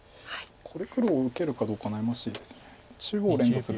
これ黒受けるかどうか悩ましいです。